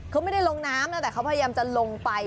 เขาไม่ได้ลงน้ำนะแต่เขาพยายามจะลงไป